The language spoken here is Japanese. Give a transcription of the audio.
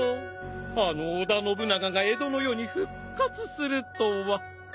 あの織田信長が江戸の世に復活するとは。